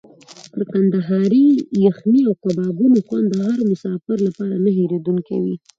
د کندهاري یخني او کبابونو خوند د هر مسافر لپاره نه هېرېدونکی وي.